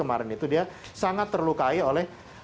kemarin itu dia sangat terlukai oleh